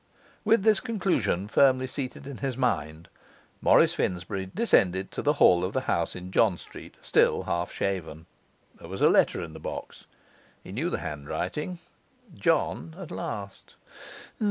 With this conclusion firmly seated in his mind, Morris Finsbury descended to the hall of the house in John Street, still half shaven. There was a letter in the box; he knew the handwriting: John at last!